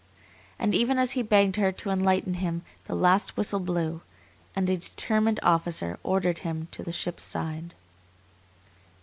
And even as he begged her to enlighten him the last whistle blew, and a determined officer ordered him to the ship's side.